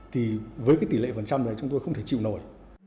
thì với cái tỷ lệ phần trăm đấy chúng tôi không thể chịu nổi